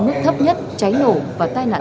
mức thấp nhất cháy nổ và tai nạn